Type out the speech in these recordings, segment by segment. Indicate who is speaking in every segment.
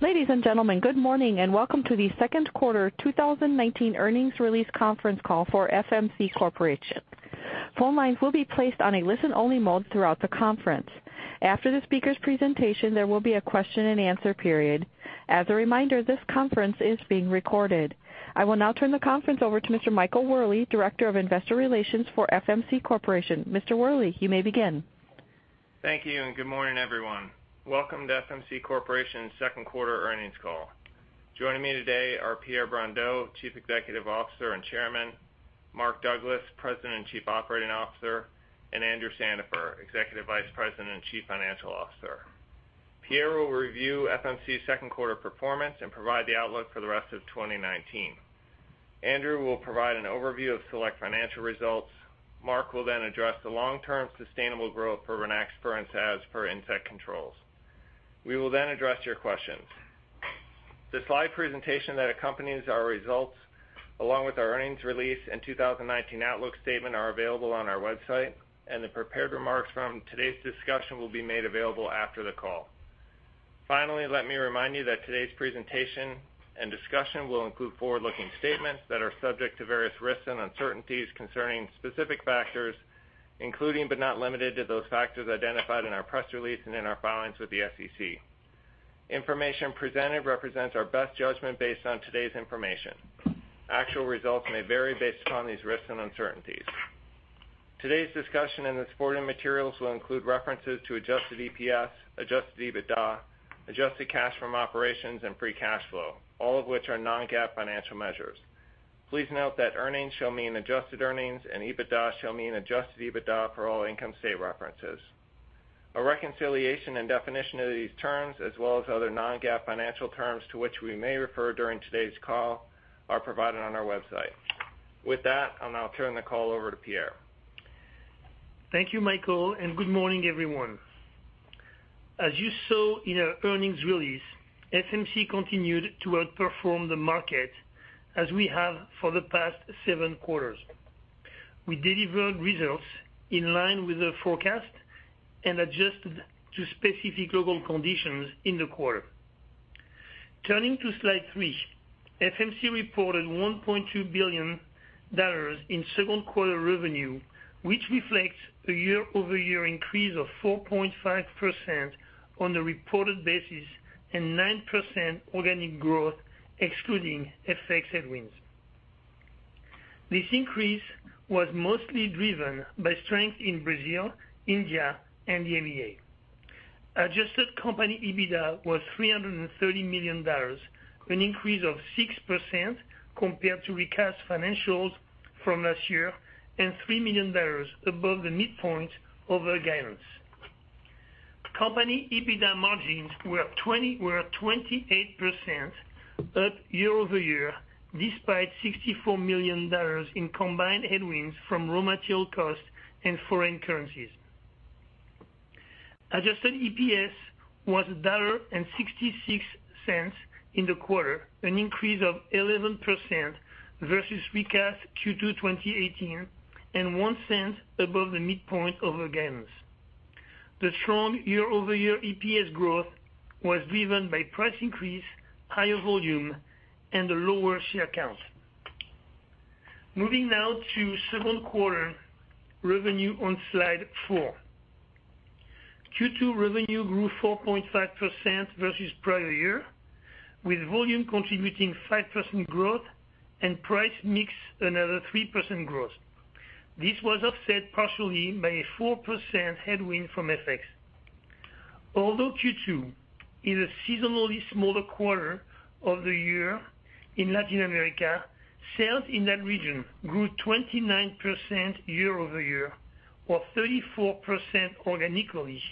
Speaker 1: Ladies and gentlemen, good morning and welcome to the Second Quarter 2019 Earnings Release Conference Call for FMC Corporation. Phone lines will be placed on a listen-only mode throughout the conference. After the speaker's presentation, there will be a question-and-answer period. As a reminder, this conference is being recorded. I will now turn the conference over to Mr. Michael Wherley, Director of Investor Relations for FMC Corporation. Mr. Wherley, you may begin.
Speaker 2: Thank you, and good morning, everyone. Welcome to FMC Corporation's second quarter earnings call. Joining me today are Pierre Brondeau, Chief Executive Officer and Chairman, Mark Douglas, President and Chief Operating Officer, and Andrew Sandifer, Executive Vice President and Chief Financial Officer. Pierre will review FMC's second quarter performance and provide the outlook for the rest of 2019. Andrew will provide an overview of select financial results. Mark will then address the long-term sustainable growth for Rynaxypyr and Cyazypyr insect controls. We will then address your questions. The slide presentation that accompanies our results, along with our earnings release and 2019 outlook statement, are available on our website, and the prepared remarks from today's discussion will be made available after the call. Finally, let me remind you that today's presentation and discussion will include forward-looking statements that are subject to various risks and uncertainties concerning specific factors, including but not limited to those factors identified in our press release and in our filings with the SEC. Information presented represents our best judgment based on today's information. Actual results may vary based upon these risks and uncertainties. Today's discussion and its supporting materials will include references to adjusted EPS, adjusted EBITDA, adjusted cash from operations and free cash flow, all of which are non-GAAP financial measures. Please note that earnings shall mean adjusted earnings and EBITDA shall mean adjusted EBITDA for all income statement references. A reconciliation and definition of these terms, as well as other non-GAAP financial terms to which we may refer during today's call, are provided on our website. With that, I'll now turn the call over to Pierre.
Speaker 3: Thank you, Michael, and good morning, everyone. As you saw in our earnings release, FMC continued to outperform the market as we have for the past seven quarters. We delivered results in line with the forecast and adjusted to specific local conditions in the quarter. Turning to Slide 3, FMC reported $1.2 billion in second quarter revenue, which reflects a year-over-year increase of 4.5% on the reported basis and 9% organic growth excluding FX headwinds. This increase was mostly driven by strength in Brazil, India, and the EMEA. Adjusted company EBITDA was $330 million, an increase of 6% compared to recast financials from last year and $3 million above the midpoint of our guidance. Company EBITDA margins were 28% up year-over-year despite $64 million in combined headwinds from raw material costs and foreign currencies. Adjusted EPS was $1.66 in the quarter, an increase of 11% versus recast Q2 2018 and $0.01 above the midpoint of our guidance. The strong year-over-year EPS growth was driven by price increase, higher volume, and a lower share count. Moving now to second quarter revenue on Slide 4. Q2 revenue grew 4.5% versus prior year, with volume contributing 5% growth and price mix another 3% growth. This was offset partially by a 4% headwind from FX. Although Q2 is a seasonally smaller quarter of the year in Latin America, sales in that region grew 29% year-over-year or 34% organically,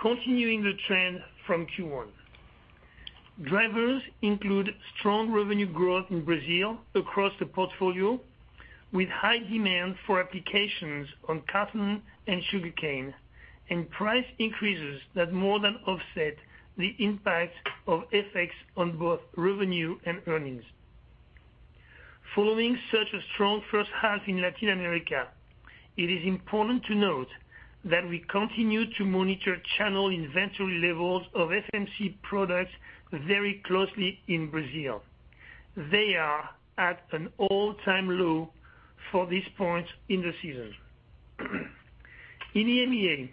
Speaker 3: continuing the trend from Q1. Drivers include strong revenue growth in Brazil across the portfolio, with high demand for applications on cotton and sugarcane and price increases that more than offset the impact of FX on both revenue and earnings. Following such a strong first half in Latin America, it is important to note that we continue to monitor channel inventory levels of FMC products very closely in Brazil. They are at an all-time low for this point in the season. In the EMEA,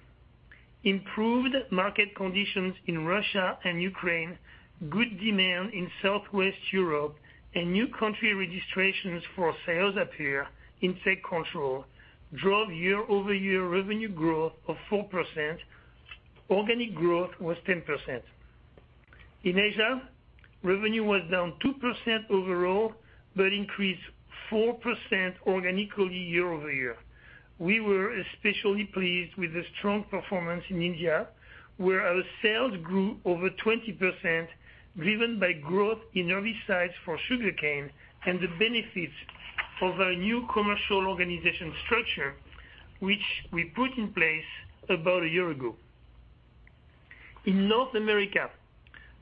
Speaker 3: improved market conditions in Russia and Ukraine, good demand in Southwest Europe and new country registrations for Cyazypyr, insect control drove year-over-year revenue growth of 4%. Organic growth was 10%. In Asia, revenue was down 2% overall but increased 4% organically year-over-year. We were especially pleased with the strong performance in India, where our sales grew over 20%, driven by growth in herbicides for sugarcane and the benefits of our new commercial organization structure, which we put in place about a year ago. In North America,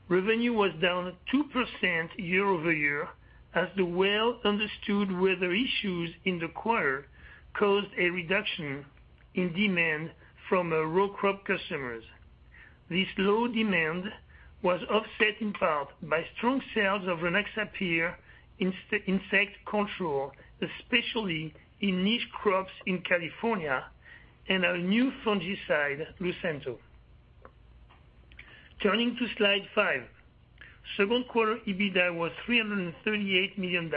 Speaker 3: revenue was down 2% year-over-year as the well-understood weather issues in the quarter caused a reduction in demand from our row crop customers. This low demand was offset in part by strong sales of Rynaxypyr insect control, especially in niche crops in California, and our new fungicide, Lucento. Turning to slide five, second quarter EBITDA was $338 million.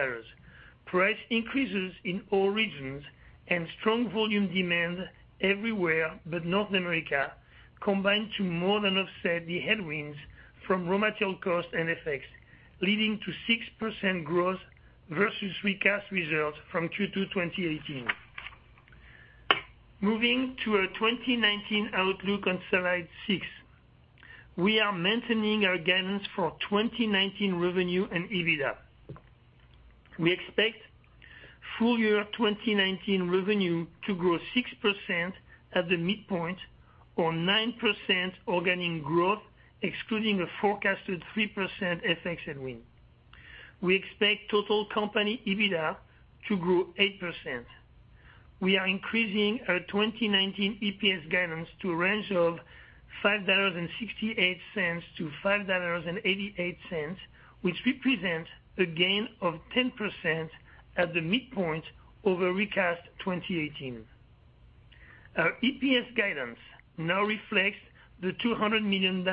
Speaker 3: Price increases in all regions and strong volume demand everywhere but North America combined to more than offset the headwinds from raw material costs and FX, leading to 6% growth versus recast results from Q2 2018. Moving to our 2019 outlook on slide six. We are maintaining our guidance for 2019 revenue and EBITDA. We expect full-year 2019 revenue to grow 6% at the midpoint or 9% organic growth, excluding a forecasted 3% FX headwind. We expect total company EBITDA to grow 8%. We are increasing our 2019 EPS guidance to a range of $5.68-$5.88, which represents a gain of 10% at the midpoint over recast 2018. Our EPS guidance now reflects the $200 million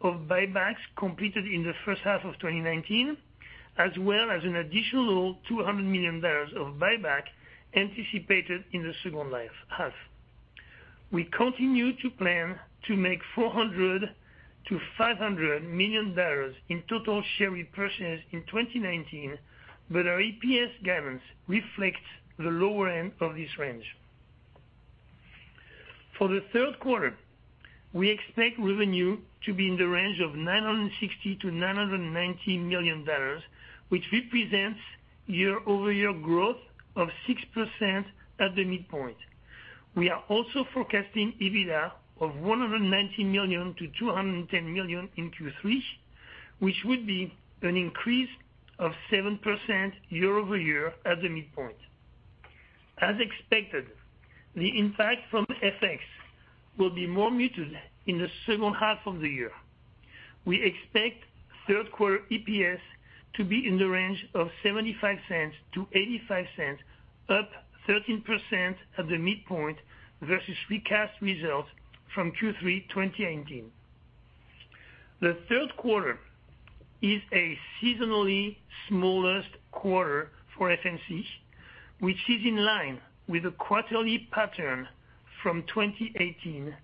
Speaker 3: of buybacks completed in the first half of 2019, as well as an additional $200 million of buyback anticipated in the second half. We continue to plan to make $400 million-$500 million in total share repurchase in 2019, but our EPS guidance reflects the lower end of this range. For the third quarter, we expect revenue to be in the range of $960 million-$990 million, which represents year-over-year growth of 6% at the midpoint. We are also forecasting EBITDA of $190 million-$210 million in Q3, which would be an increase of 7% year-over-year at the midpoint. As expected, the impact from FX will be more muted in the second half of the year. We expect third quarter EPS to be in the range of $0.75-$0.85, up 13% at the midpoint versus recast results from Q3 2018. The third quarter is a seasonally smallest quarter for FMC, which is in line with the quarterly pattern from 2018,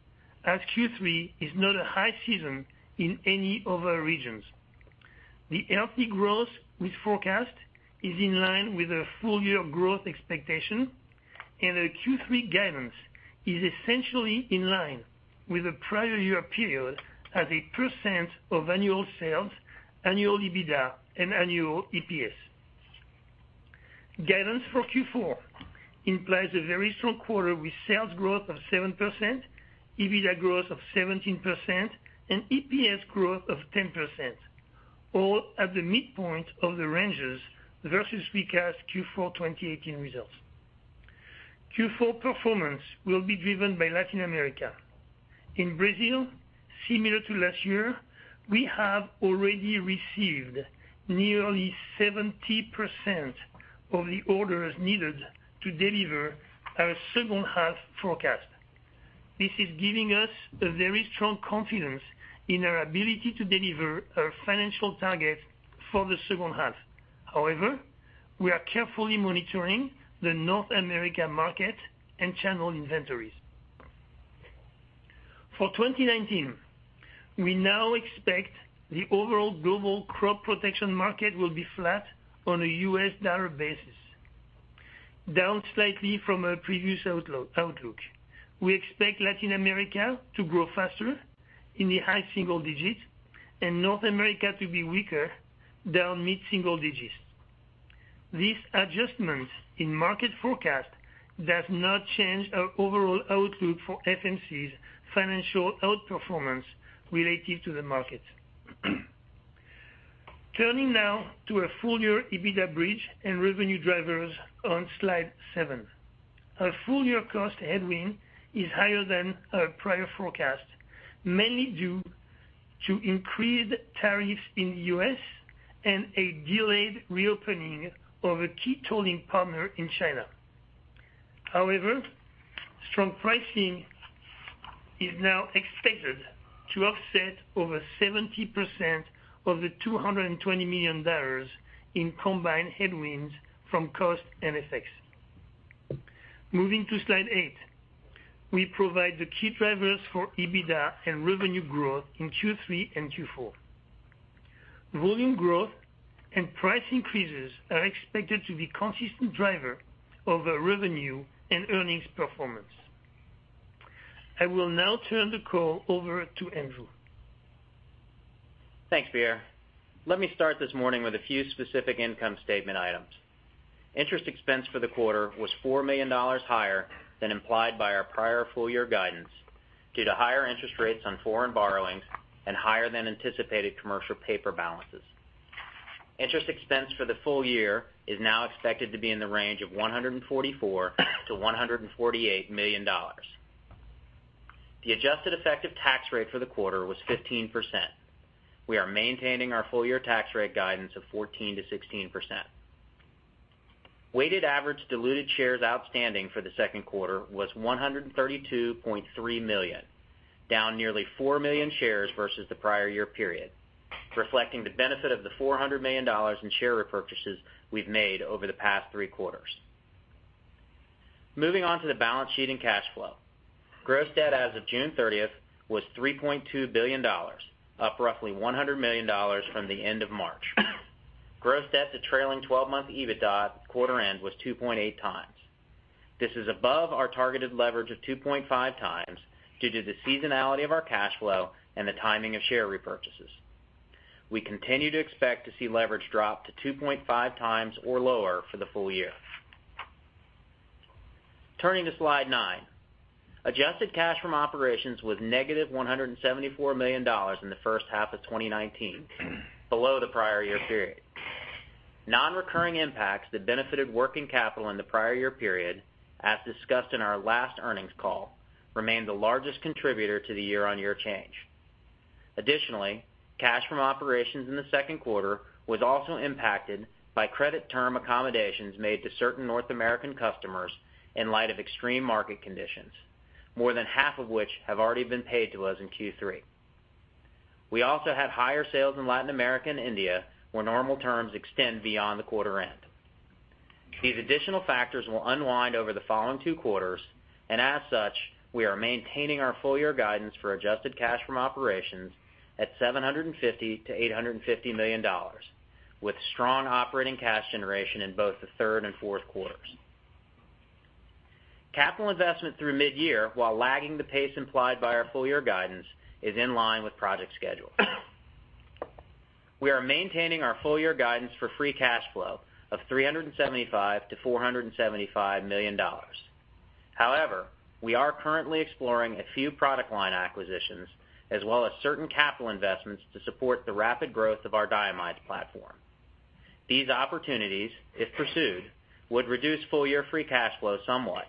Speaker 3: as Q3 is not a high season in any of our regions. The healthy growth we forecast is in line with our full-year growth expectation, and our Q3 guidance is essentially in line with the prior year period as a percent of annual sales, annual EBITDA, and annual EPS. Guidance for Q4 implies a very strong quarter with sales growth of 7%, EBITDA growth of 17%, and EPS growth of 10%, all at the midpoint of the ranges versus recast Q4 2018 results. Q4 performance will be driven by Latin America. In Brazil, similar to last year, we have already received nearly 70% of the orders needed to deliver our second half forecast. This is giving us a very strong confidence in our ability to deliver our financial targets for the second half. However, we are carefully monitoring the North American market and channel inventories. For 2019, we now expect the overall global crop protection market will be flat on a U.S. dollar basis, down slightly from our previous outlook. We expect Latin America to grow faster in the high single digits and North America to be weaker, down mid-single digits. This adjustment in market forecast does not change our overall outlook for FMC's financial outperformance related to the market. Turning now to our full-year EBITDA bridge and revenue drivers on slide 7. Our full-year cost headwind is higher than our prior forecast, mainly due to increased tariffs in the U.S. and a delayed reopening of a key tolling partner in China. Strong pricing is now expected to offset over 70% of the $220 million in combined headwinds from cost and FX. Moving to slide eight. We provide the key drivers for EBITDA and revenue growth in Q3 and Q4. Volume growth and price increases are expected to be consistent driver of our revenue and earnings performance. I will now turn the call over to Andrew.
Speaker 4: Thanks, Pierre. Let me start this morning with a few specific income statement items. Interest expense for the quarter was $4 million higher than implied by our prior full year guidance due to higher interest rates on foreign borrowings and higher than anticipated commercial paper balances. Interest expense for the full year is now expected to be in the range of $144 million-$148 million. The adjusted effective tax rate for the quarter was 15%. We are maintaining our full-year tax rate guidance of 14%-16%. Weighted average diluted shares outstanding for the second quarter was 132.3 million, down nearly four million shares versus the prior year period, reflecting the benefit of the $400 million in share repurchases we've made over the past three quarters. Moving on to the balance sheet and cash flow. Gross debt as of June 30th was $3.2 billion, up roughly $100 million from the end of March. Gross debt to trailing 12-month EBITDA at quarter end was 2.8x. This is above our targeted leverage of 2.5x due to the seasonality of our cash flow and the timing of share repurchases. We continue to expect to see leverage drop to 2.5x or lower for the full year. Turning to slide 9. Adjusted cash from operations was -$174 million in the first half of 2019, below the prior year period. Non-recurring impacts that benefited working capital in the prior year period, as discussed in our last earnings call, remain the largest contributor to the year-on-year change. Additionally, cash from operations in the second quarter was also impacted by credit term accommodations made to certain North American customers in light of extreme market conditions, more than half of which have already been paid to us in Q3. We also had higher sales in Latin America and India, where normal terms extend beyond the quarter end. These additional factors will unwind over the following two quarters, and as such, we are maintaining our full year guidance for adjusted cash from operations at $750 million-$850 million, with strong operating cash generation in both the third and fourth quarters. Capital investment through mid-year, while lagging the pace implied by our full year guidance, is in line with project schedule. We are maintaining our full year guidance for free cash flow of $375 million-$475 million. However, we are currently exploring a few product line acquisitions, as well as certain capital investments to support the rapid growth of our diamide platform. These opportunities, if pursued, would reduce full-year free cash flow somewhat,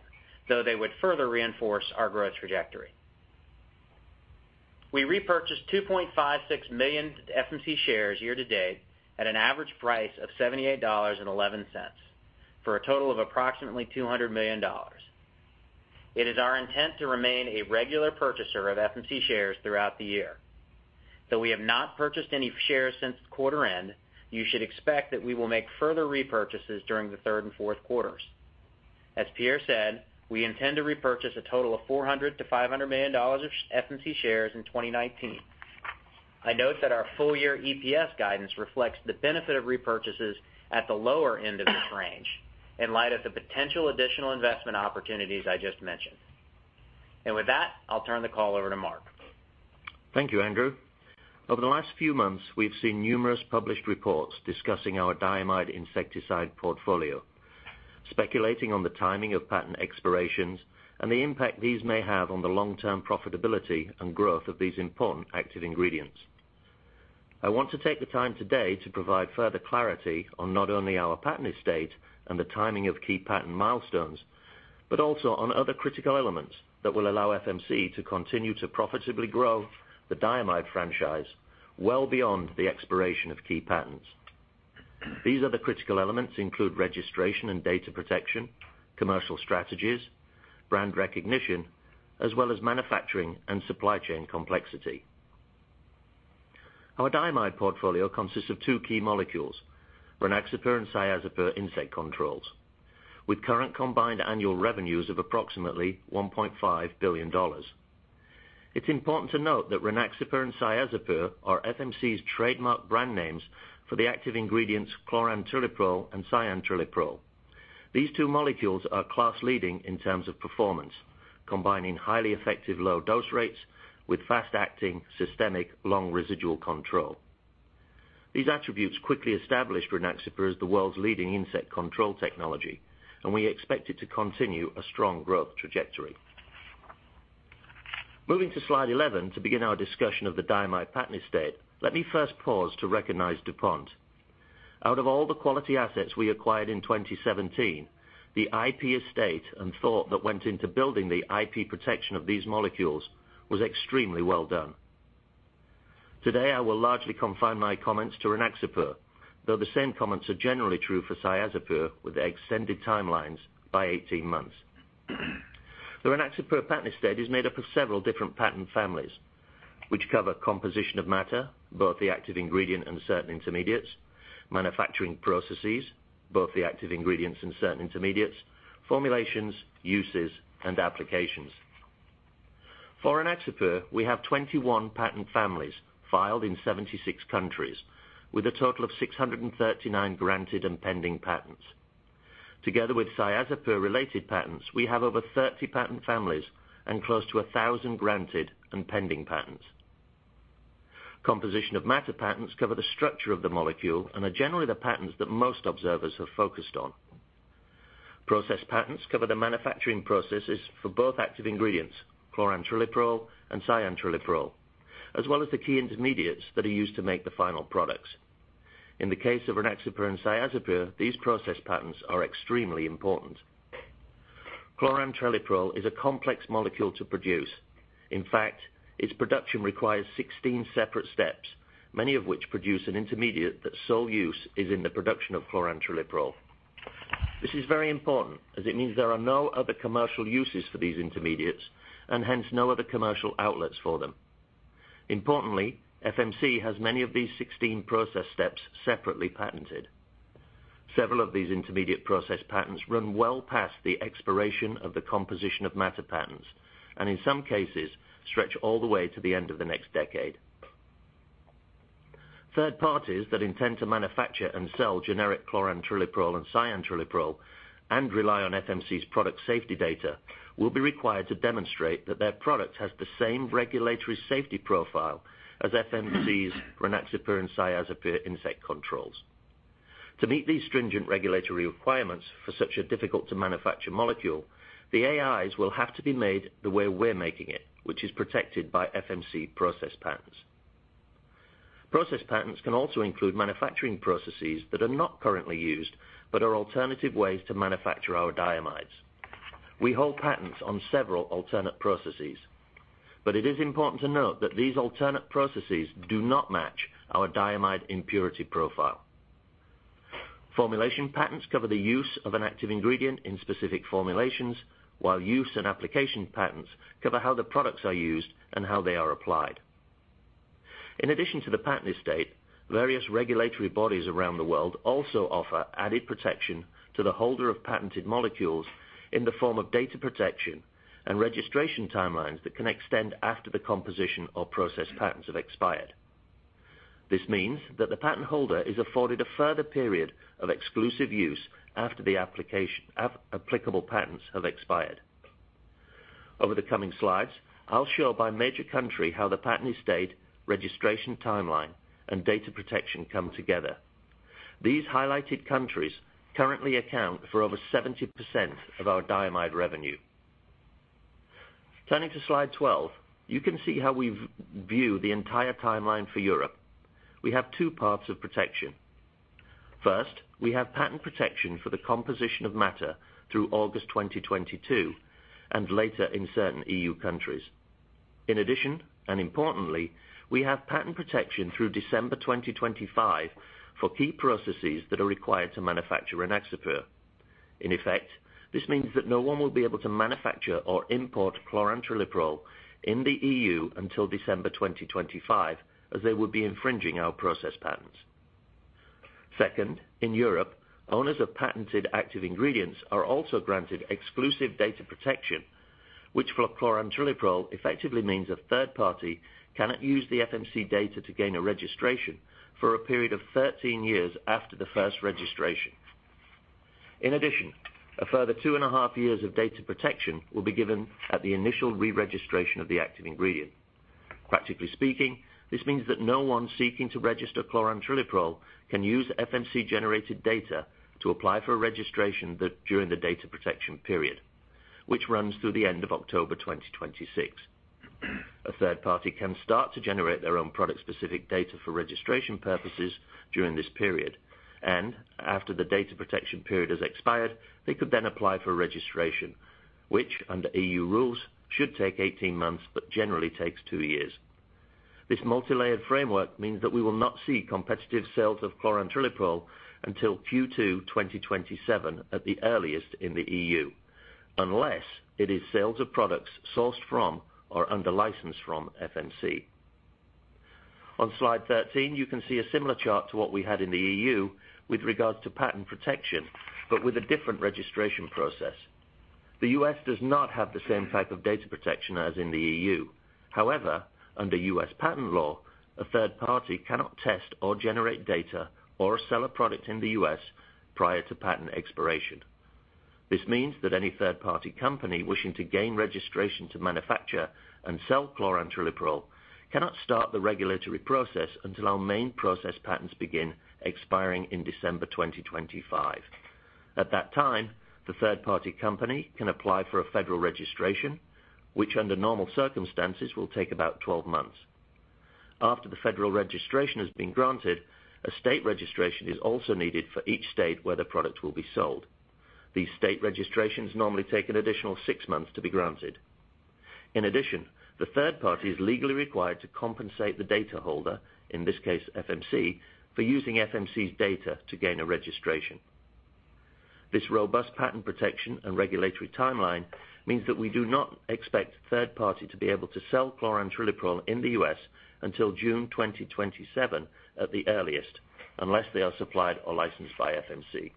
Speaker 4: though they would further reinforce our growth trajectory. We repurchased 2.56 million FMC shares year to date at an average price of $78.11, for a total of approximately $200 million. It is our intent to remain a regular purchaser of FMC shares throughout the year. Though we have not purchased any shares since quarter end, you should expect that we will make further repurchases during the third and fourth quarters. As Pierre said, we intend to repurchase a total of $400 million-$500 million of FMC shares in 2019. I note that our full year EPS guidance reflects the benefit of repurchases at the lower end of this range in light of the potential additional investment opportunities I just mentioned. With that, I'll turn the call over to Mark.
Speaker 5: Thank you, Andrew. Over the last few months, we've seen numerous published reports discussing our diamide insecticide portfolio, speculating on the timing of patent expirations and the impact these may have on the long-term profitability and growth of these important active ingredients. I want to take the time today to provide further clarity on not only our patent estate and the timing of key patent milestones, but also on other critical elements that will allow FMC to continue to profitably grow the diamide franchise well beyond the expiration of key patents. These other critical elements include registration and data protection, commercial strategies, brand recognition, as well as manufacturing and supply chain complexity. Our diamide portfolio consists of two key molecules, Rynaxypyr and Cyazypyr insect controls, with current combined annual revenues of approximately $1.5 billion. It's important to note that Rynaxypyr and Cyazypyr are FMC's trademarked brand names for the active ingredients chlorantraniliprole and cyantraniliprole. These two molecules are class-leading in terms of performance, combining highly effective low dose rates with fast-acting, systemic, long residual control. These attributes quickly established Rynaxypyr as the world's leading insect control technology. We expect it to continue a strong growth trajectory. Moving to slide 11 to begin our discussion of the diamide patent estate, let me first pause to recognize DuPont. Out of all the quality assets we acquired in 2017, the IP estate and thought that went into building the IP protection of these molecules was extremely well done. Today, I will largely confine my comments to Rynaxypyr, though the same comments are generally true for Cyazypyr with extended timelines by 18 months. The Rynaxypyr patent estate is made up of several different patent families, which cover composition of matter, both the active ingredient and certain intermediates, manufacturing processes, both the active ingredients and certain intermediates, formulations, uses, and applications. For Rynaxypyr, we have 21 patent families filed in 76 countries, with a total of 639 granted and pending patents. Together with Cyazypyr-related patents, we have over 30 patent families and close to 1,000 granted and pending patents. Composition of matter patents cover the structure of the molecule and are generally the patents that most observers have focused on. Process patents cover the manufacturing processes for both active ingredients, chlorantraniliprole and cyantraniliprole, as well as the key intermediates that are used to make the final products. In the case of Rynaxypyr and Cyazypyr, these process patents are extremely important. Chlorantraniliprole is a complex molecule to produce. In fact, its production requires 16 separate steps, many of which produce an intermediate that's sole use is in the production of chlorantraniliprole. This is very important, as it means there are no other commercial uses for these intermediates, and hence, no other commercial outlets for them. Importantly, FMC has many of these 16 process steps separately patented. Several of these intermediate process patents run well past the expiration of the composition of matter patents, and in some cases, stretch all the way to the end of the next decade. Third parties that intend to manufacture and sell generic chlorantraniliprole and cyantraniliprole and rely on FMC's product safety data will be required to demonstrate that their product has the same regulatory safety profile as FMC's Rynaxypyr and Cyazypyr insect controls. To meet these stringent regulatory requirements for such a difficult-to-manufacture molecule, the AIs will have to be made the way we're making it, which is protected by FMC process patents. Process patents can also include manufacturing processes that are not currently used but are alternative ways to manufacture our diamides. We hold patents on several alternate processes, but it is important to note that these alternate processes do not match our diamide impurity profile. Formulation patents cover the use of an active ingredient in specific formulations, while use and application patents cover how the products are used and how they are applied. In addition to the patent estate, various regulatory bodies around the world also offer added protection to the holder of patented molecules in the form of data protection and registration timelines that can extend after the composition or process patents have expired. This means that the patent holder is afforded a further period of exclusive use after applicable patents have expired. Over the coming slides, I'll show by major country how the patent estate, registration timeline, and data protection come together. These highlighted countries currently account for over 70% of our diamide revenue. Turning to slide 12, you can see how we view the entire timeline for Europe. We have two parts of protection. First, we have patent protection for the composition of matter through August 2022 and later in certain EU countries. In addition, and importantly, we have patent protection through December 2025 for key processes that are required to manufacture Rynaxypyr. In effect, this means that no one will be able to manufacture or import chlorantraniliprole in the EU until December 2025, as they would be infringing our process patents. Second, in Europe, owners of patented active ingredients are also granted exclusive data protection, which for chlorantraniliprole effectively means a third party cannot use the FMC data to gain a registration for a period of 13 years after the first registration. In addition, a further two and a half years of data protection will be given at the initial reregistration of the active ingredient. Practically speaking, this means that no one seeking to register chlorantraniliprole can use FMC-generated data to apply for a registration during the data protection period, which runs through the end of October 2026. A third party can start to generate their own product-specific data for registration purposes during this period and after the data protection period has expired, they could then apply for registration, which under EU rules should take 18 months but generally takes two years. This multilayered framework means that we will not see competitive sales of chlorantraniliprole until Q2 2027 at the earliest in the EU, unless it is sales of products sourced from or under license from FMC. On slide 13, you can see a similar chart to what we had in the EU with regards to patent protection, but with a different registration process. The U.S. does not have the same type of data protection as in the EU. However, under U.S. patent law, a third party cannot test or generate data or sell a product in the U.S. prior to patent expiration. This means that any third-party company wishing to gain registration to manufacture and sell chlorantraniliprole cannot start the regulatory process until our main process patents begin expiring in December 2025. At that time, the third-party company can apply for a federal registration, which under normal circumstances will take about 12 months. After the federal registration has been granted, a state registration is also needed for each state where the product will be sold. These state registrations normally take an additional six months to be granted. In addition, the third party is legally required to compensate the data holder, in this case, FMC, for using FMC's data to gain a registration. This robust patent protection and regulatory timeline means that we do not expect third party to be able to sell chlorantraniliprole in the U.S. until June 2027 at the earliest, unless they are supplied or licensed by FMC.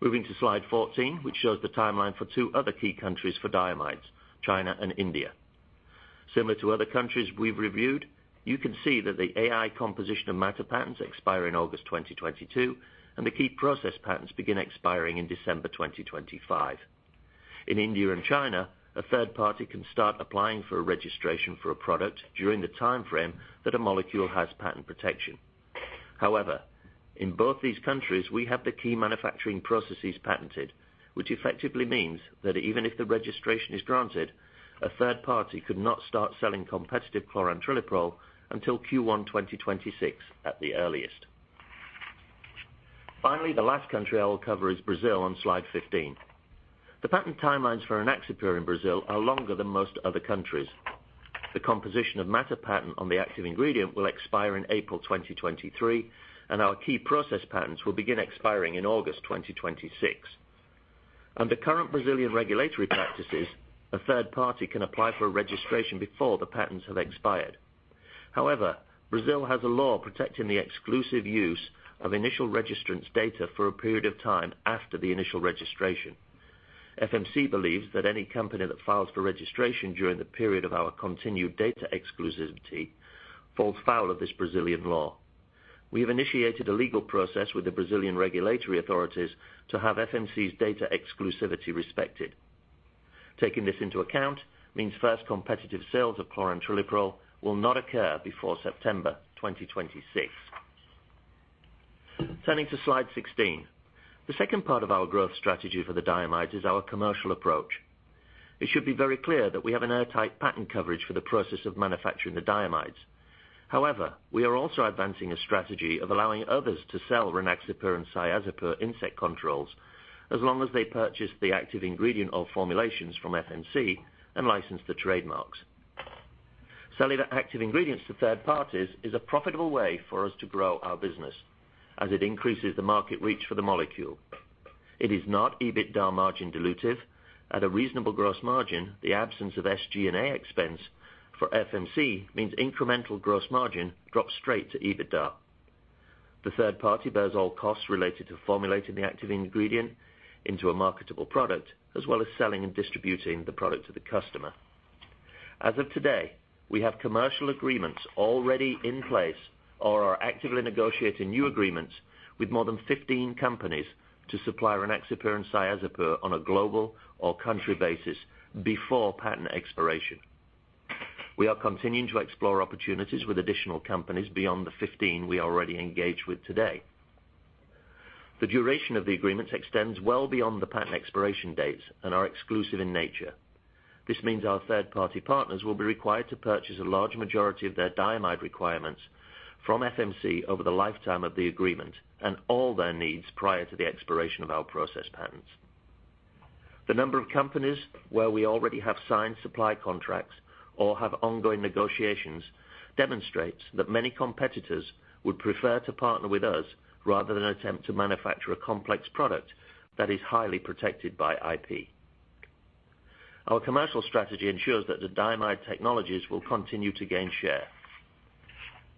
Speaker 5: Moving to slide 14, which shows the timeline for two other key countries for diamides, China and India. Similar to other countries we've reviewed, you can see that the AI composition of matter patents expire in August 2022, and the key process patents begin expiring in December 2025. In India and China, a third party can start applying for a registration for a product during the timeframe that a molecule has patent protection. However, in both these countries, we have the key manufacturing processes patented, which effectively means that even if the registration is granted, a third party could not start selling competitive chlorantraniliprole until Q1 2026 at the earliest. Finally, the last country I will cover is Brazil on slide 15. The patent timelines for Rynaxypyr in Brazil are longer than most other countries. The composition of matter patent on the active ingredient will expire in April 2023, and our key process patents will begin expiring in August 2026. Under current Brazilian regulatory practices, a third party can apply for a registration before the patents have expired. However, Brazil has a law protecting the exclusive use of initial registrant's data for a period of time after the initial registration. FMC believes that any company that files for registration during the period of our continued data exclusivity falls foul of this Brazilian law. We have initiated a legal process with the Brazilian regulatory authorities to have FMC's data exclusivity respected. Taking this into account, means first competitive sales of chlorantraniliprole will not occur before September 2026. Turning to slide 16. The second part of our growth strategy for the diamides is our commercial approach. It should be very clear that we have an airtight patent coverage for the process of manufacturing the diamides. However, we are also advancing a strategy of allowing others to sell Rynaxypyr and Cyazypyr insect controls as long as they purchase the active ingredient or formulations from FMC and license the trademarks. Selling the active ingredients to third parties is a profitable way for us to grow our business, as it increases the market reach for the molecule. It is not EBITDA margin dilutive. At a reasonable gross margin, the absence of SG&A expense for FMC means incremental gross margin drops straight to EBITDA. The third party bears all costs related to formulating the active ingredient into a marketable product, as well as selling and distributing the product to the customer. As of today, we have commercial agreements already in place or are actively negotiating new agreements with more than 15 companies to supply Rynaxypyr and Cyazypyr on a global or country basis before patent expiration. We are continuing to explore opportunities with additional companies beyond the 15 we already engage with today. The duration of the agreements extends well beyond the patent expiration dates and are exclusive in nature. This means our third-party partners will be required to purchase a large majority of their diamide requirements from FMC over the lifetime of the agreement, and all their needs prior to the expiration of our process patents. The number of companies where we already have signed supply contracts or have ongoing negotiations demonstrates that many competitors would prefer to partner with us rather than attempt to manufacture a complex product that is highly protected by IP. Our commercial strategy ensures that the diamide technologies will continue to gain share.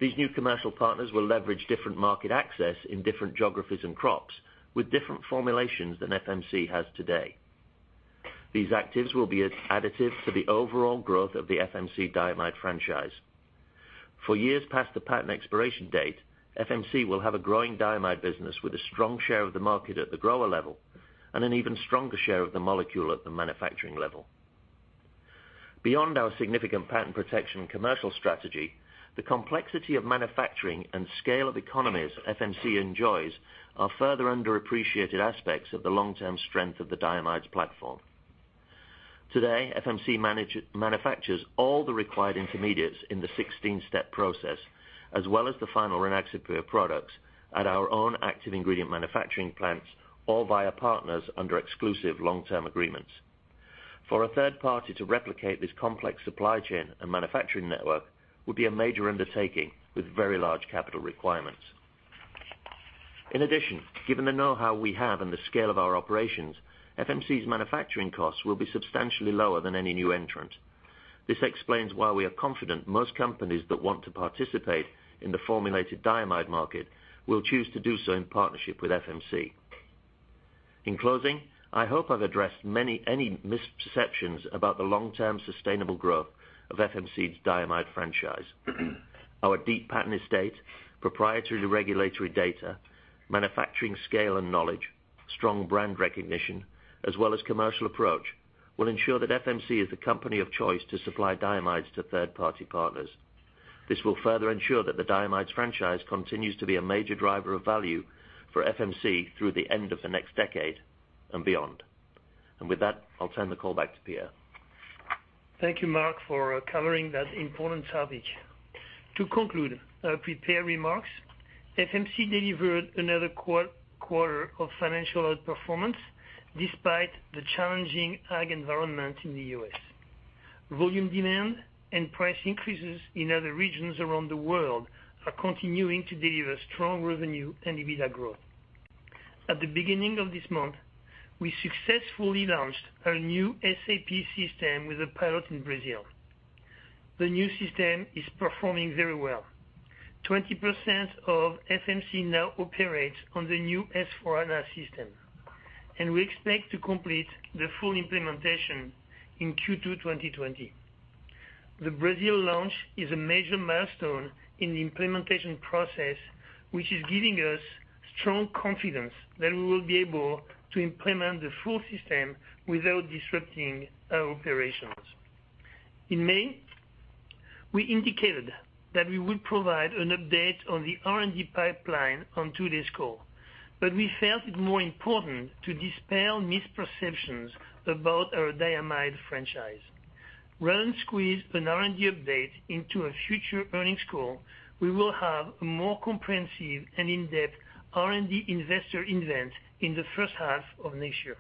Speaker 5: These new commercial partners will leverage different market access in different geographies and crops with different formulations than FMC has today. These actives will be additive to the overall growth of the FMC diamide franchise. For years past the patent expiration date, FMC will have a growing diamide business with a strong share of the market at the grower level and an even stronger share of the molecule at the manufacturing level. Beyond our significant patent protection commercial strategy, the complexity of manufacturing and scale of economies FMC enjoys are further underappreciated aspects of the long-term strength of the diamides platform. Today, FMC manufactures all the required intermediates in the 16-step process, as well as the final Rynaxypyr products at our own active ingredient manufacturing plants or via partners under exclusive long-term agreements. For a third party to replicate this complex supply chain and manufacturing network would be a major undertaking with very large capital requirements. In addition, given the knowhow we have and the scale of our operations, FMC's manufacturing costs will be substantially lower than any new entrant. This explains why we are confident most companies that want to participate in the formulated diamide market will choose to do so in partnership with FMC. In closing, I hope I've addressed any misperceptions about the long-term sustainable growth of FMC's diamide franchise. Our deep patent estate, proprietary regulatory data, manufacturing scale and knowledge, strong brand recognition, as well as commercial approach, will ensure that FMC is the company of choice to supply diamides to third-party partners. This will further ensure that the diamides franchise continues to be a major driver of value for FMC through the end of the next decade and beyond. With that, I'll turn the call back to Pierre.
Speaker 3: Thank you, Mark, for covering that important topic. To conclude our prepared remarks, FMC delivered another quarter of financial outperformance despite the challenging ag environment in the U.S. Volume demand and price increases in other regions around the world are continuing to deliver strong revenue and EBITDA growth. At the beginning of this month, we successfully launched our new SAP system with a pilot in Brazil. The new system is performing very well. 20% of FMC now operates on the new S/4HANA system, and we expect to complete the full implementation in Q2 2020. The Brazil launch is a major milestone in the implementation process, which is giving us strong confidence that we will be able to implement the full system without disrupting our operations. In May, we indicated that we would provide an update on the R&D pipeline on today's call, but we felt it more important to dispel misperceptions about our diamide franchise. Rather than squeeze an R&D update into a future earnings call, we will have a more comprehensive and in-depth R&D investor event in the first half of next year.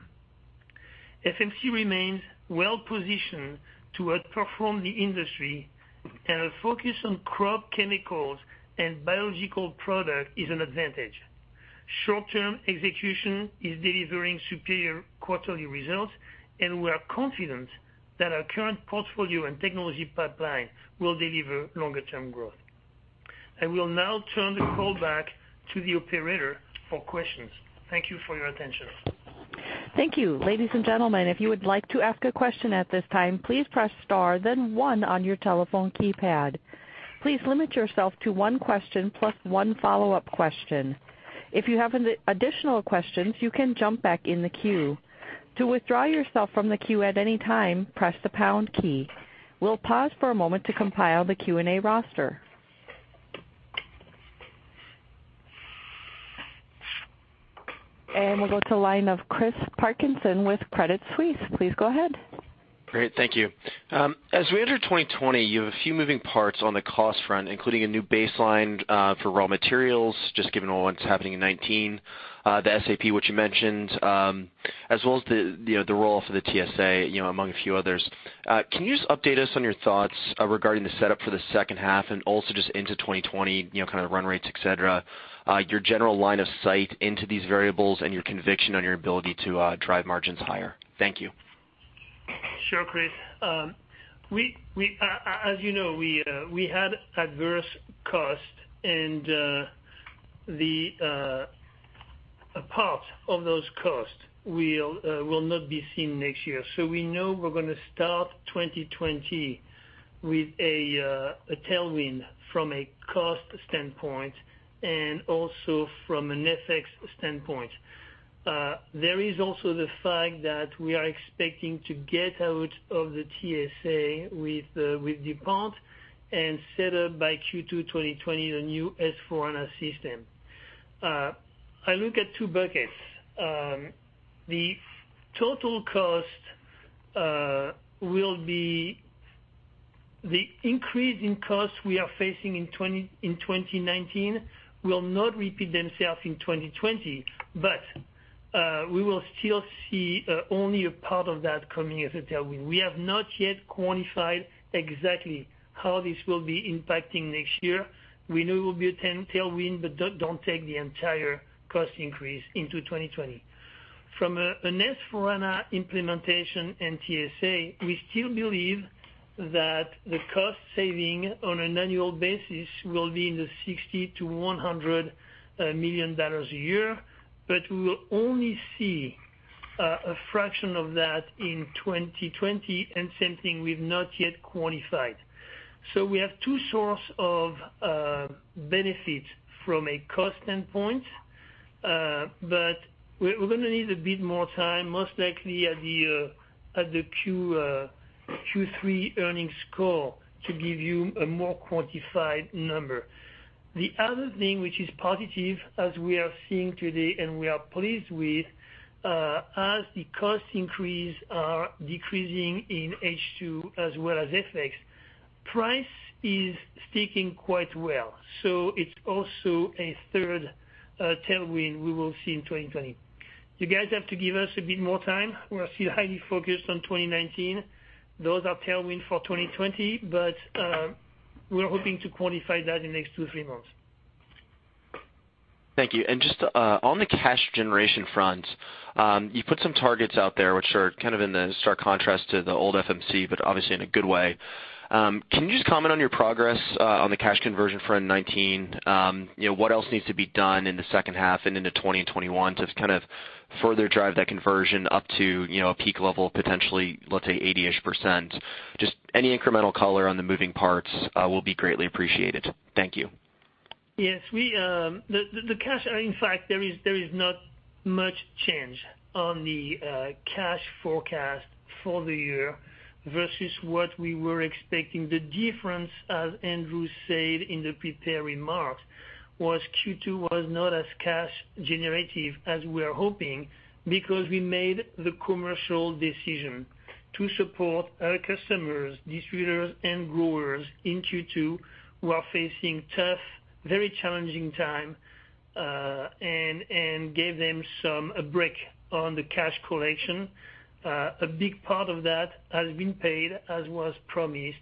Speaker 3: FMC remains well-positioned to outperform the industry, and a focus on crop chemicals and biological product is an advantage. Short-term execution is delivering superior quarterly results, and we are confident that our current portfolio and technology pipeline will deliver longer-term growth. I will now turn the call back to the operator for questions. Thank you for your attention.
Speaker 1: Thank you. Ladies and gentlemen, if you would like to ask a question at this time, please press star then one on your telephone keypad. Please limit yourself to one question plus one follow-up question. If you have additional questions, you can jump back in the queue. To withdraw yourself from the queue at any time, press the pound key. We'll pause for a moment to compile the Q&A roster. We'll go to line of Chris Parkinson with Credit Suisse. Please go ahead.
Speaker 6: Great. Thank you. As we enter 2020, you have a few moving parts on the cost front, including a new baseline for raw materials, just given all what's happening in 2019, the SAP, which you mentioned, as well as the roll-off of the TSA, among a few others. Can you just update us on your thoughts regarding the setup for the second half and also just into 2020, kind of run rates, et cetera, your general line of sight into these variables and your conviction on your ability to drive margins higher? Thank you.
Speaker 3: Sure, Chris. As you know, we had adverse costs, and a part of those costs will not be seen next year. We know we're going to start 2020 with a tailwind from a cost standpoint and also from an FX standpoint. There is also the fact that we are expecting to get out of the TSA with DuPont and set up by Q2 2020 the new S/4HANA system. I look at two buckets. The increase in costs we are facing in 2019 will not repeat themselves in 2020. We will still see only a part of that coming as a tailwind. We have not yet quantified exactly how this will be impacting next year. We know it will be a tailwind. Don't take the entire cost increase into 2020. From an S/4HANA implementation and TSA, we still believe that the cost saving on an annual basis will be in the $60 million-$100 million a year, but we will only see a fraction of that in 2020, same thing, we've not yet quantified. We have two source of benefit from a cost standpoint, but we're going to need a bit more time, most likely at the Q3 earnings call, to give you a more quantified number. The other thing which is positive as we are seeing today and we are pleased with, as the cost increase are decreasing in H2, as well as FX, price is sticking quite well. It's also a third tailwind we will see in 2020. You guys have to give us a bit more time. We're still highly focused on 2019. Those are tailwind for 2020, but we're hoping to quantify that in next two, three months.
Speaker 6: Thank you. Just on the cash generation front, you put some targets out there which are kind of in the stark contrast to the old FMC, but obviously in a good way. Can you just comment on your progress on the cash conversion front in 2019? What else needs to be done in the second half and into 2020 and 2021 to kind of further drive that conversion up to a peak level of potentially, let's say, 80-ish%? Just any incremental color on the moving parts will be greatly appreciated. Thank you.
Speaker 3: Yes. In fact, there is not much change on the cash forecast for the year versus what we were expecting. The difference, as Andrew said in the prepared remarks, was Q2 was not as cash generative as we were hoping because we made the commercial decision to support our customers, distributors, and growers in Q2 who are facing tough, very challenging time, and gave them a break on the cash collection. A big part of that has been paid as was promised,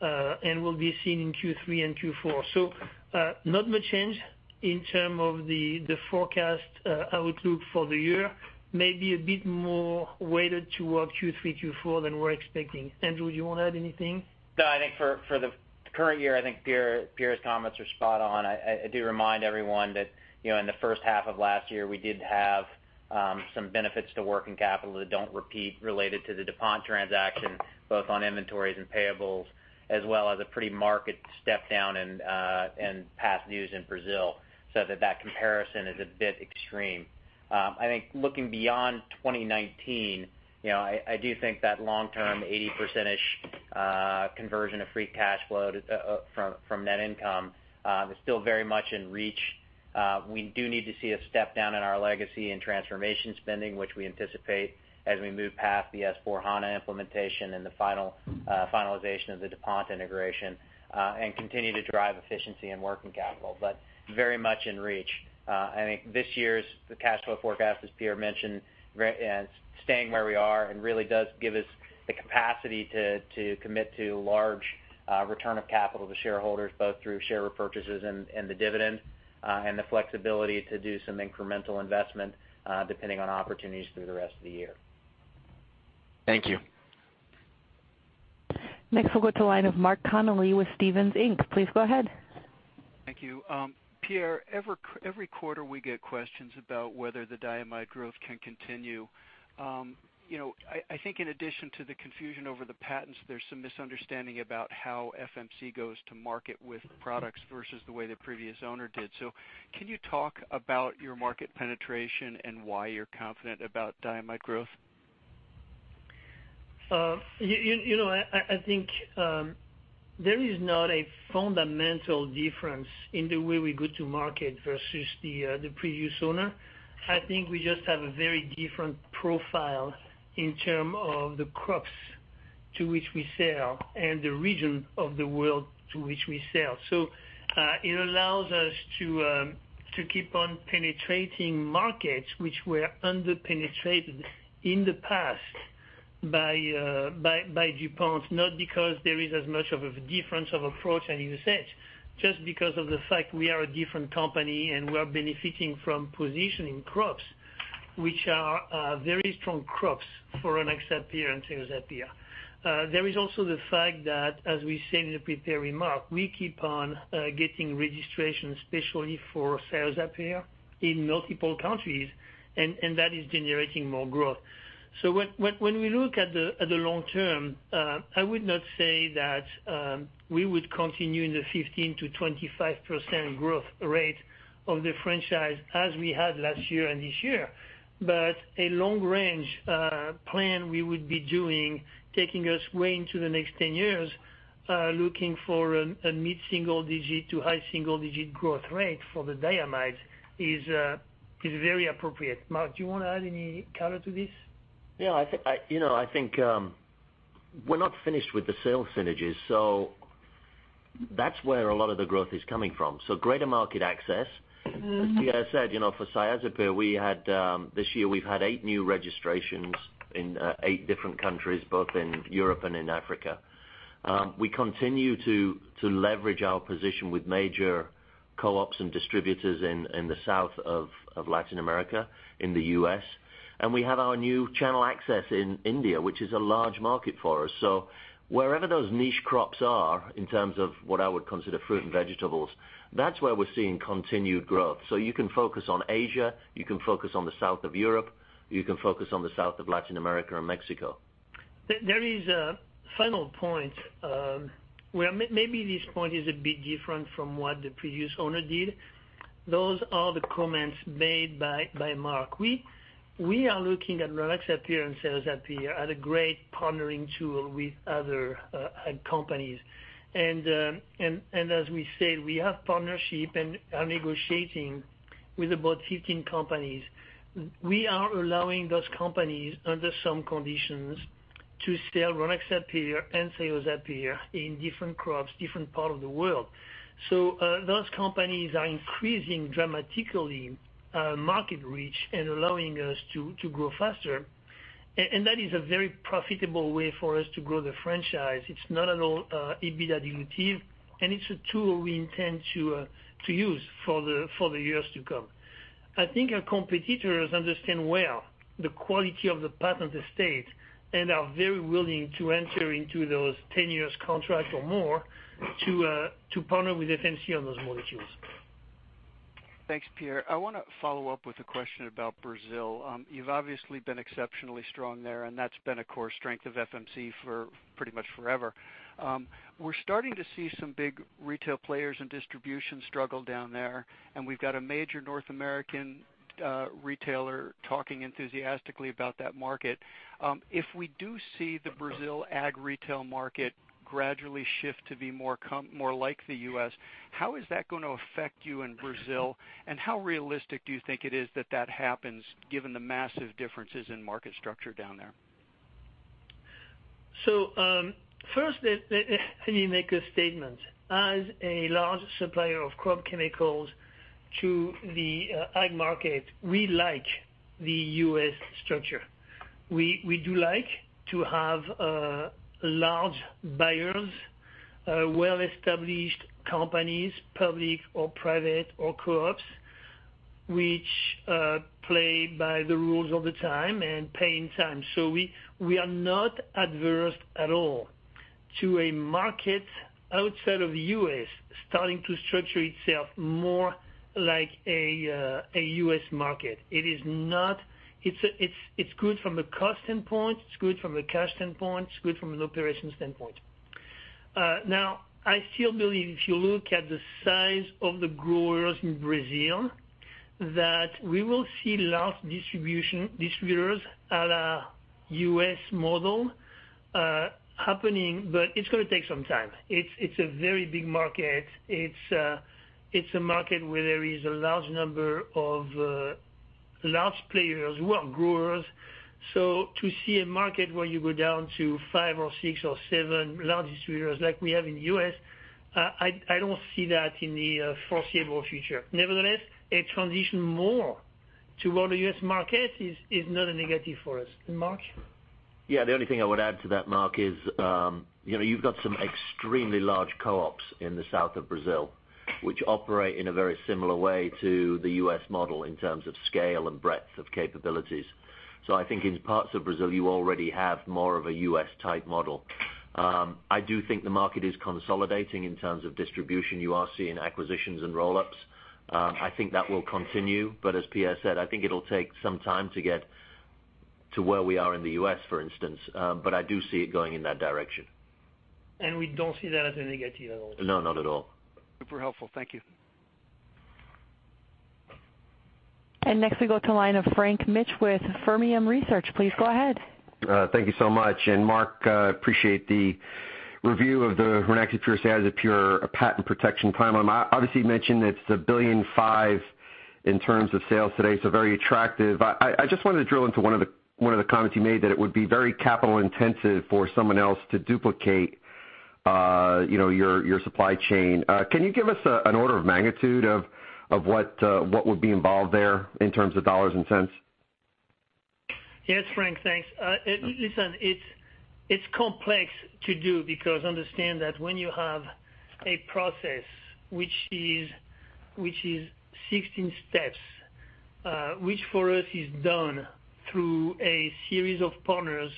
Speaker 3: and will be seen in Q3 and Q4. Not much change in terms of the forecast outlook for the year. Maybe a bit more weighted towards Q3, Q4 than we're expecting. Andrew, you want to add anything?
Speaker 4: No, I think for the current year, I think Pierre's comments are spot on. I do remind everyone that in the first half of last year, we did have some benefits to working capital that don't repeat related to the DuPont transaction, both on inventories and payables, as well as a pretty market step down in past dues in Brazil, so that comparison is a bit extreme. I think looking beyond 2019, I do think that long-term, 80%-ish conversion of free cash flow from net income is still very much in reach. We do need to see a step down in our legacy and transformation spending, which we anticipate as we move past the S/4HANA implementation and the finalization of the DuPont integration, and continue to drive efficiency and working capital, but very much in reach. I think this year's cash flow forecast, as Pierre mentioned, staying where we are and really does give us the capacity to commit to large return of capital to shareholders, both through share repurchases and the dividend, and the flexibility to do some incremental investment, depending on opportunities through the rest of the year.
Speaker 6: Thank you.
Speaker 1: Next, we'll go to the line of Mark Connelly with Stephens Inc. Please go ahead.
Speaker 7: Thank you. Pierre, every quarter we get questions about whether the diamide growth can continue. I think in addition to the confusion over the patents, there's some misunderstanding about how FMC goes to market with products versus the way the previous owner did. Can you talk about your market penetration and why you're confident about diamide growth?
Speaker 3: I think there is not a fundamental difference in the way we go to market versus the previous owner. I think we just have a very different profile in term of the crops to which we sell and the region of the world to which we sell. It allows us to keep on penetrating markets which were under-penetrated in the past by DuPont. Not because there is as much of a difference of approach and usage, just because of the fact we are a different company, and we are benefiting from positioning crops, which are very strong crops for Rynaxypyr and Cyazypyr. Also the fact that, as we said in the prepared remark, we keep on getting registration, especially for Cyazypyr in multiple countries, and that is generating more growth. When we look at the long term, I would not say that we would continue in the 15%-25% growth rate of the franchise as we had last year and this year. A long range plan we would be doing, taking us way into the next 10 years, looking for a mid-single-digit to high-single-digit growth rate for the diamides is very appropriate. Mark, do you want to add any color to this?
Speaker 5: I think we're not finished with the sales synergies, that's where a lot of the growth is coming from. Greater market access. As Pierre said, for Cyazypyr, this year we've had eight new registrations in eight different countries, both in Europe and in Africa. We continue to leverage our position with major co-ops and distributors in the south of Latin America, in the U.S., and we have our new channel access in India, which is a large market for us. Wherever those niche crops are in terms of what I would consider fruit and vegetables, that's where we're seeing continued growth. You can focus on Asia, you can focus on the south of Europe, you can focus on the south of Latin America or Mexico.
Speaker 3: There is a final point where maybe this point is a bit different from what the previous owner did. Those are the comments made by Mark. We are looking at Rynaxypyr and Cyazypyr as a great partnering tool with other companies. As we said, we have partnership and are negotiating with about 15 companies. We are allowing those companies, under some conditions, to sell Rynaxypyr and Cyazypyr in different crops, different part of the world. Those companies are increasing dramatically market reach and allowing us to grow faster. That is a very profitable way for us to grow the franchise. It's not at all EBITDA dilutive, and it's a tool we intend to use for the years to come. I think our competitors understand well the quality of the patent estate and are very willing to enter into those 10 years contract or more to partner with FMC on those molecules.
Speaker 7: Thanks, Pierre. I want to follow up with a question about Brazil. You've obviously been exceptionally strong there, and that's been a core strength of FMC for pretty much forever. We're starting to see some big retail players and distribution struggle down there, and we've got a major North American retailer talking enthusiastically about that market. If we do see the Brazil ag retail market gradually shift to be more like the U.S., how is that going to affect you in Brazil, and how realistic do you think it is that that happens given the massive differences in market structure down there?
Speaker 3: First, let me make a statement. As a large supplier of crop chemicals to the ag market, we like the U.S. structure. We do like to have large buyers, well-established companies, public or private or co-ops, which play by the rules all the time and pay in time. We are not adverse at all to a market outside of the U.S. starting to structure itself more like a U.S. market. It's good from a cost standpoint, it's good from a cash standpoint, it's good from an operation standpoint. I still believe if you look at the size of the growers in Brazil, that we will see large distributors at a U.S. model happening, but it's going to take some time. It's a very big market. It's a market where there is a large number of large players who are growers. To see a market where you go down to five or six or seven large distributors like we have in the U.S., I don't see that in the foreseeable future. Nevertheless, a transition more toward a U.S. market is not a negative for us. Mark?
Speaker 5: The only thing I would add to that, Mark, is you've got some extremely large co-ops in the south of Brazil, which operate in a very similar way to the U.S. model in terms of scale and breadth of capabilities. I think in parts of Brazil, you already have more of a U.S.-type model. I do think the market is consolidating in terms of distribution. You are seeing acquisitions and roll-ups. I think that will continue, but as Pierre said, I think it'll take some time to get to where we are in the U.S., for instance. I do see it going in that direction.
Speaker 3: We don't see that as a negative at all.
Speaker 5: No, not at all.
Speaker 7: Super helpful. Thank you.
Speaker 1: Next we go to the line of Frank Mitsch with Fermium Research. Please go ahead.
Speaker 8: Thank you so much. Mark, appreciate the review of the Rynaxypyr as a pure patent protection claim. You mentioned it's $1.5 billion in terms of sales today, very attractive. I just wanted to drill into one of the comments you made, that it would be very capital intensive for someone else to duplicate your supply chain. Can you give us an order of magnitude of what would be involved there in terms of dollars and cents?
Speaker 3: Yes, Frank, thanks. Listen, it's complex to do because understand that when you have a process which is 16 steps, which for us is done through a series of partners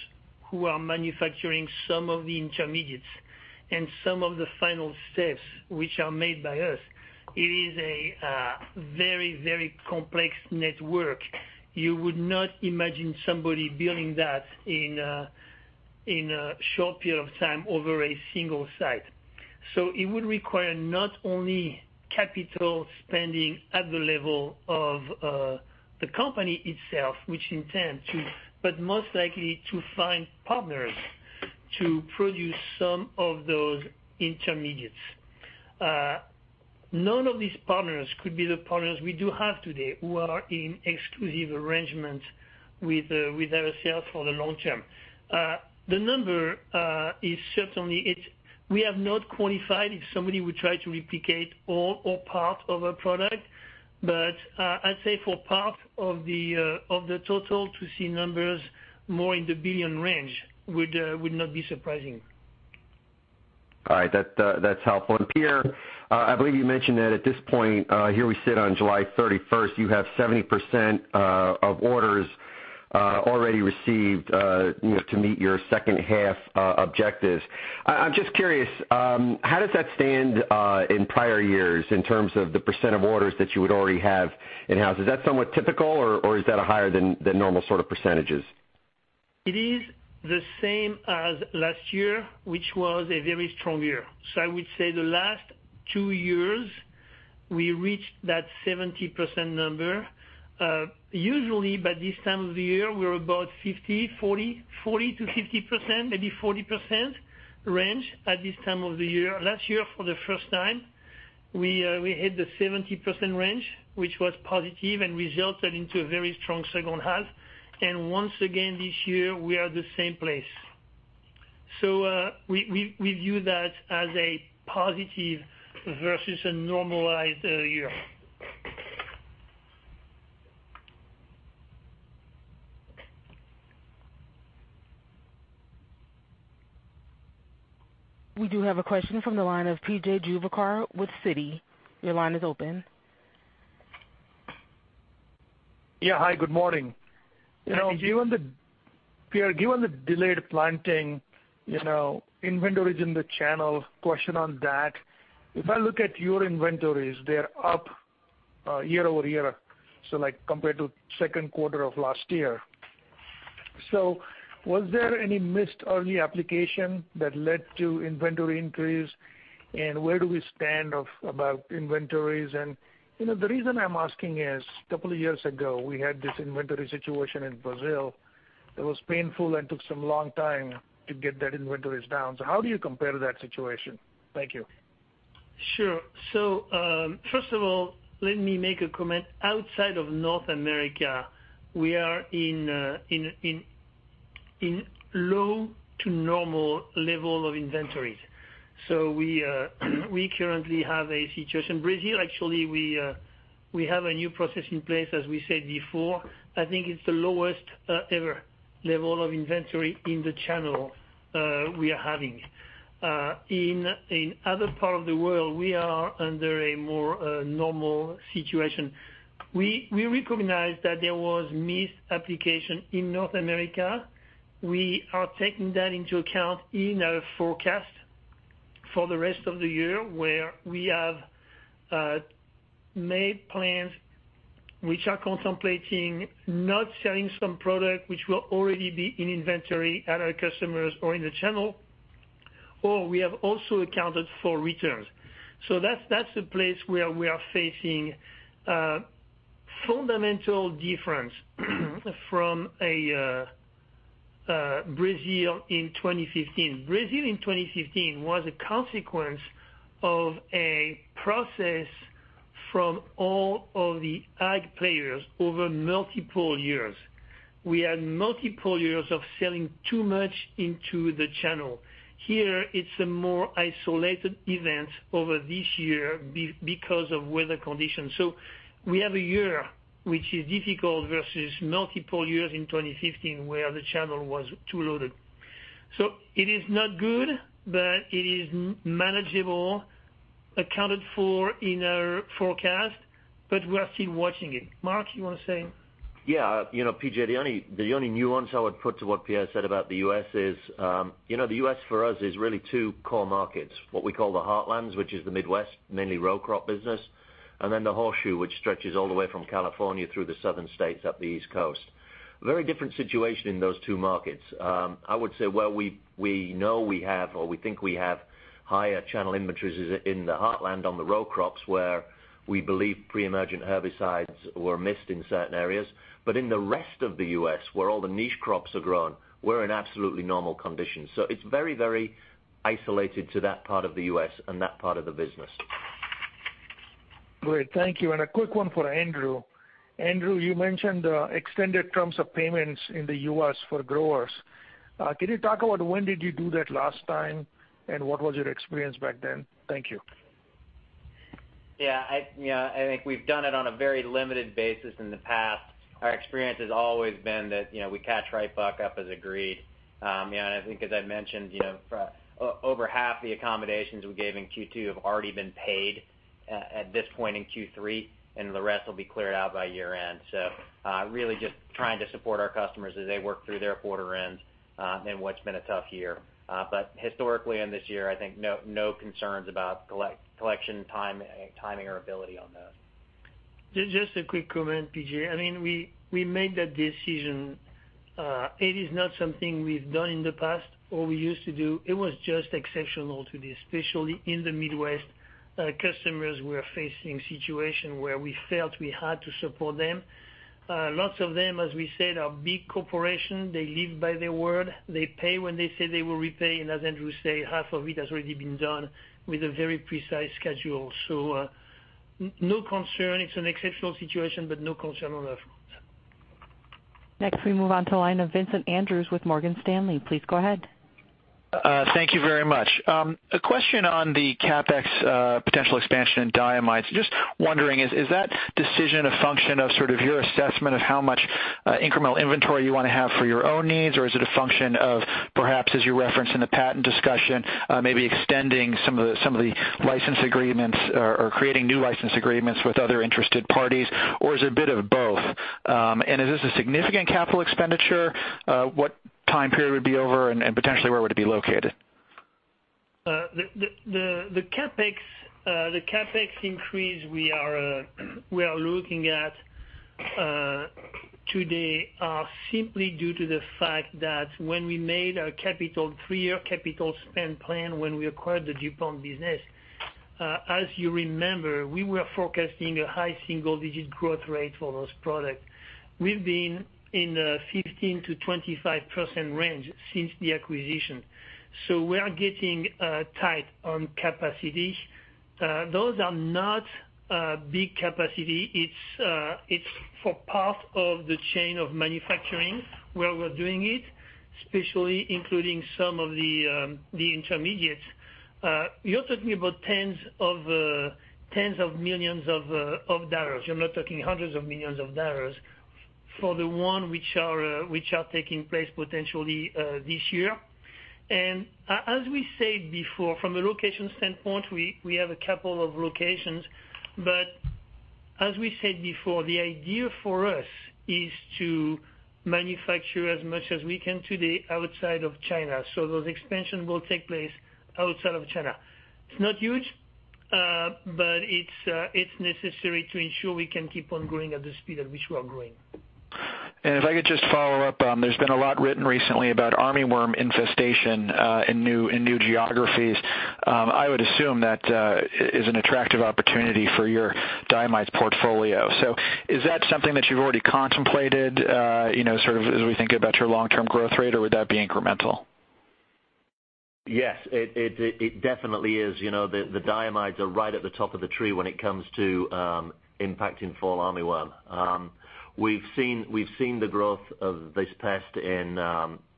Speaker 3: who are manufacturing some of the intermediates and some of the final steps, which are made by us, it is a very complex network. You would not imagine somebody building that in a short period of time over a single site. It would require not only capital spending at the level of the company itself, which intends to, but most likely to find partners to produce some of those intermediates. None of these partners could be the partners we do have today, who are in exclusive arrangements with ourselves for the long term. The number is certainly it. We have not quantified if somebody would try to replicate all or part of a product, but I'd say for part of the total to see numbers more in the billion range would not be surprising.
Speaker 8: All right. That's helpful. Pierre, I believe you mentioned that at this point, here we sit on July 31st, you have 70% of orders already received to meet your second half objectives. I'm just curious, how does that stand in prior years in terms of the percent of orders that you would already have in-house? Is that somewhat typical or is that a higher than normal sort of percentages?
Speaker 3: It is the same as last year, which was a very strong year. I would say the last two years, we reached that 70% number. Usually, by this time of the year, we're about 40%-50%, maybe 40% range at this time of the year. Last year, for the first time, we hit the 70% range, which was positive and resulted into a very strong second half. Once again, this year, we are at the same place. We view that as a positive versus a normalized year.
Speaker 1: We do have a question from the line of PJ Juvekar with Citi. Your line is open.
Speaker 9: Hi, good morning. Pierre, given the delayed planting, inventories in the channel, question on that. If I look at your inventories, they're up year-over-year, like compared to second quarter of last year. Was there any missed early application that led to inventory increase? Where do we stand about inventories? The reason I'm asking is, couple of years ago, we had this inventory situation in Brazil. It was painful and took some long time to get that inventories down. How do you compare that situation? Thank you.
Speaker 3: First of all, let me make a comment. Outside of North America, we are in low to normal level of inventories. We currently have a situation. Brazil, actually, we have a new process in place, as we said before. I think it's the lowest ever level of inventory in the channel we are having. In other part of the world, we are under a more normal situation. We recognize that there was missed application in North America. We are taking that into account in our forecast for the rest of the year, where we have made plans which are contemplating not selling some product, which will already be in inventory at our customers or in the channel, or we have also accounted for returns. That's the place where we are facing a fundamental difference from Brazil in 2015. Brazil in 2015 was a consequence of a process from all of the ag players over multiple years. We had multiple years of selling too much into the channel. Here, it's a more isolated event over this year because of weather conditions. We have a year, which is difficult versus multiple years in 2015, where the channel was too loaded. It is not good, but it is manageable, accounted for in our forecast. We are still watching it. Mark, you want to say?
Speaker 5: PJ, the only nuance I would put to what Pierre said about the U.S. is, the U.S. for us is really two core markets, what we call the Heartland, which is the Midwest, mainly row crop business, and then the Horseshoe, which stretches all the way from California through the southern states up the East Coast. Very different situation in those two markets. I would say where we know we have, or we think we have higher channel inventories is in the Heartland on the row crops where we believe pre-emergent herbicides were missed in certain areas. In the rest of the U.S., where all the niche crops are grown, we're in absolutely normal conditions. It's very isolated to that part of the U.S. and that part of the business.
Speaker 9: Great. Thank you. A quick one for Andrew. Andrew, you mentioned extended terms of payments in the U.S. for growers. Can you talk about when did you do that last time, and what was your experience back then? Thank you.
Speaker 4: Yeah. I think we've done it on a very limited basis in the past. Our experience has always been that we catch right back up as agreed. I think as I mentioned, over half the accommodations we gave in Q2 have already been paid at this point in Q3, and the rest will be cleared out by year-end. Really just trying to support our customers as they work through their quarter ends in what's been a tough year. Historically and this year, I think no concerns about collection time, timing, or ability on those.
Speaker 3: Just a quick comment, PJ. We made that decision. It is not something we've done in the past or we used to do. It was just exceptional to this, especially in the Midwest. Customers were facing situation where we felt we had to support them. Lots of them, as we said, are big corporation. They live by their word. They pay when they say they will repay, and as Andrew say, half of it has already been done with a very precise schedule. No concern. It's an exceptional situation, but no concern on our front.
Speaker 1: Next, we move on to line of Vincent Andrews with Morgan Stanley. Please go ahead.
Speaker 10: Thank you very much. A question on the CapEx potential expansion in diamides. Just wondering, is that decision a function of sort of your assessment of how much incremental inventory you want to have for your own needs? Or is it a function of perhaps, as you referenced in the patent discussion, maybe extending some of the license agreements or creating new license agreements with other interested parties? Is it a bit of both? Is this a significant capital expenditure? What time period would it be over, and potentially, where would it be located?
Speaker 3: The CapEx increase we are looking at today are simply due to the fact that when we made our three-year capital spend plan when we acquired the DuPont business, as you remember, we were forecasting a high single-digit growth rate for those products. We've been in the 15%-25% range since the acquisition. We are getting tight on capacity. Those are not big capacity. It's for part of the chain of manufacturing where we're doing it, especially including some of the intermediates. You're talking about tens of millions of dollars. You're not talking hundreds of millions of dollars for the one which are taking place potentially this year. As we said before, from a location standpoint, we have a couple of locations. As we said before, the idea for us is to manufacture as much as we can today outside of China. Those expansion will take place outside of China. It's not huge, but it's necessary to ensure we can keep on growing at the speed at which we are growing.
Speaker 10: If I could just follow up, there's been a lot written recently about armyworm infestation in new geographies. I would assume that is an attractive opportunity for your diamides portfolio. Is that something that you've already contemplated sort of as we think about your long-term growth rate, or would that be incremental?
Speaker 5: Yes. It definitely is. The diamides are right at the top of the tree when it comes to impacting fall armyworm. We've seen the growth of this pest in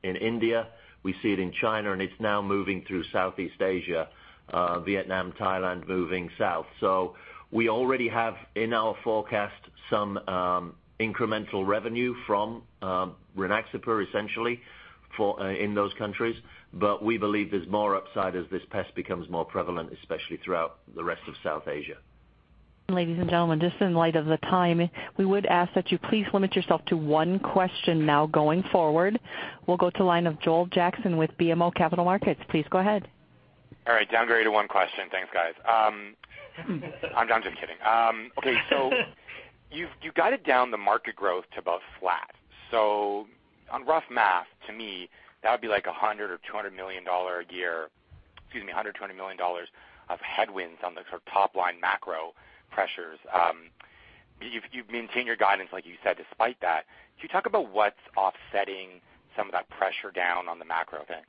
Speaker 5: India. We see it in China. It's now moving through Southeast Asia, Vietnam, Thailand, moving south. We already have in our forecast some incremental revenue from Rynaxypyr essentially in those countries. We believe there's more upside as this pest becomes more prevalent, especially throughout the rest of South Asia.
Speaker 1: Ladies and gentlemen, just in light of the time, we would ask that you please limit yourself to one question now going forward. We'll go to line of Joel Jackson with BMO Capital Markets. Please go ahead.
Speaker 11: All right. Downgraded to one question. Thanks, guys. I'm just kidding. Okay. You guided down the market growth to about flat. On rough math, to me, that would be like $100 million or $200 million a year. Excuse me, $120 million of headwinds on the sort of top-line macro pressures. You've maintained your guidance, like you said, despite that. Could you talk about what's offsetting some of that pressure down on the macro things?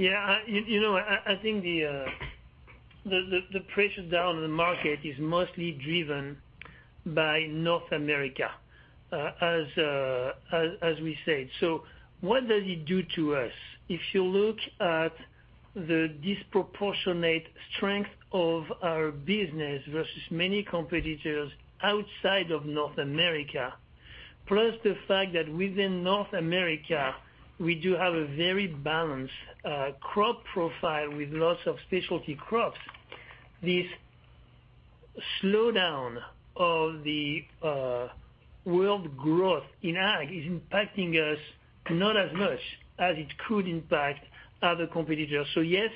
Speaker 3: I think the pressure down on the market is mostly driven by North America, as we said. What does it do to us? If you look at the disproportionate strength of our business versus many competitors outside of North America, plus the fact that within North America, we do have a very balanced crop profile with lots of specialty crops. This slowdown of the world growth in ag is impacting us not as much as it could impact other competitors. Yes,